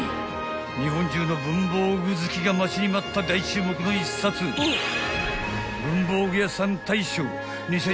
日本中の文房具好きが待ちに待った大注目の１冊『文房具屋さん大賞２０２３』がついに発売］